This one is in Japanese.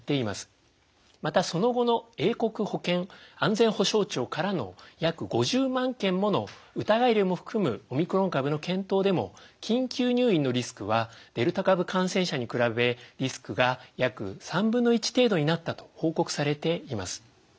またその後の英国保健安全保障庁からの約５０万件もの疑い例も含むオミクロン株の検討でも緊急入院のリスクはデルタ株感染者に比べリスクが約３分の１程度になったと報告されています。